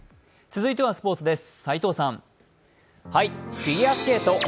続いてはスポーツです。